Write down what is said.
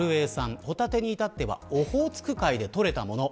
ホタテに至ってはオホーツク海でとれたものです。